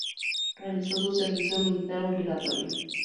Realizó su servicio militar obligatorio.